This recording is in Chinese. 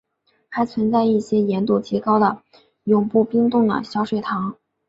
还存在一些盐度极高的永不冰冻的小水塘。